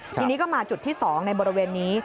ทีนี้ก็มาจุดที่๒ในบริเวณนี้